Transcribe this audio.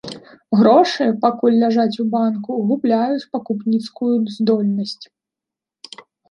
Грошы, пакуль ляжаць у банку, губляюць пакупніцкую здольнасць.